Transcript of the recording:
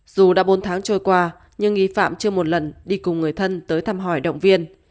dù đã bốn tháng trôi qua nhưng nghi phạm chưa một lần đi cùng người thân tới thăm hỏi động viên